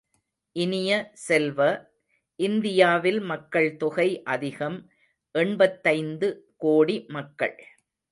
இனிய செல்வ, இந்தியாவில் மக்கள் தொகை அதிகம், எண்பத்தைந்து கோடி மக்கள்.